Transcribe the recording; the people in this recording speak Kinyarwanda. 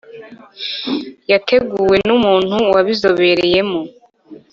yateguwe n’umuntu wabizobereyemo.